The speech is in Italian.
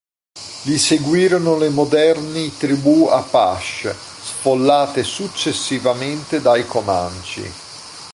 Li seguirono le moderni tribù Apache, sfollate successivamente dai Comanche.